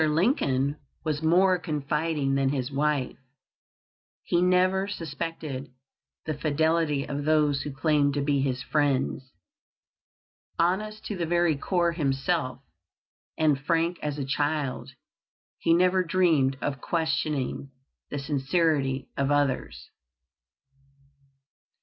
Lincoln was more confiding than his wife. He never suspected the fidelity of those who claimed to be his friends. Honest to the very core himself, and frank as a child, he never dreamed of questioning the sincerity of others.